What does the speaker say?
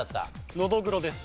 ノドグロです。